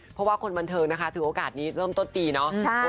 เพราะว่าคนบันเทิงนะคะถือโอกาสนี้เริ่มต้นปีเนาะ